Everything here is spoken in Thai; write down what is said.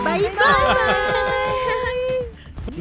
บ๊ายบาย